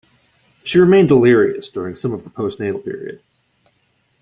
She remained delirious during some of the postnatal period.